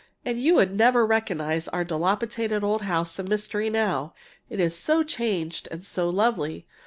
And you'd never recognize our dilapidated old house of mystery now, it's so changed and so lovely.